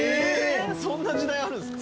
そんな時代あるんすか？